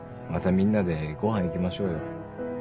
みんなでごはん行きましょうよ。